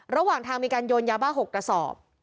ระหว่างทางมีการโยนยาบ้า๖กระสอบ